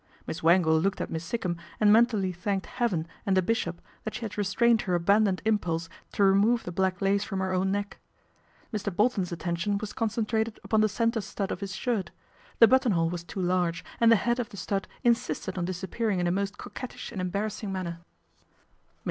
Miss Wangle looked at Miss Sikkum and entally thanked Heaven and the bishop that she ad restrained her abandoned impulse to remove iie black lace from her own neck. Mr. Bolton's attention was concentrated upon ic centre stud of his shirt. The button hole was )o large, and the head of the stud insisted on dis ppearing in a most coquettish and embarrassing 194 PATRICIA BRENT, SPINSTER manner. Mr.